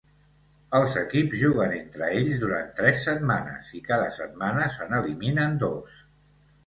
Els equips juguen entre ells durant tres setmanes, i cada setmana se n'eliminen dos.